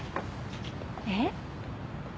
えっ？